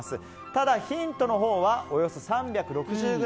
ただ、ヒントのほうはおよそ３６０ｇ。